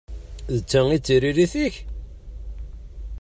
D ta i d tiririt-ik?